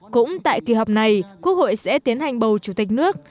cũng tại kỳ họp này quốc hội sẽ tiến hành bầu chủ tịch nước